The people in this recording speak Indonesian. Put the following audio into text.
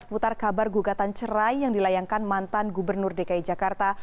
seputar kabar gugatan cerai yang dilayangkan mantan gubernur dki jakarta